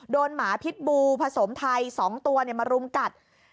หมาพิษบูผสมไทย๒ตัวมารุมกัด